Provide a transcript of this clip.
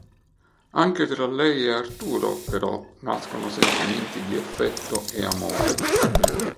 Anche tra lei e Arturo, però, nascono sentimenti di affetto e amore.